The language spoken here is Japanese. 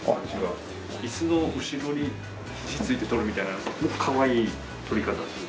椅子の後ろに肘ついて撮るみたいなかわいい撮り方する。